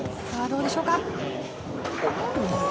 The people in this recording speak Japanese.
どうでしょうか。